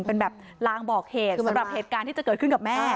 เป็นแบบลางบอกเหตุสำหรับเหตุการณ์ที่จะเกิดขึ้นกับแม่